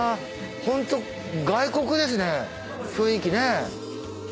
ホント外国ですね雰囲気ね。